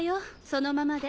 そのままで。